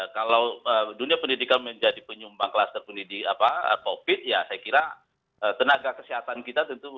kalau dunia pendidikan menjadi penyumbang kluster covid ya saya kira tenaga kesehatan kita tentu